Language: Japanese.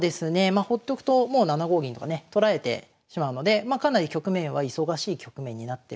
まあほっとくともう７五銀とかね取られてしまうのでかなり局面は忙しい局面になってますかね。